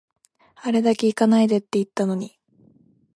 あれだけ行かないでって言ったのに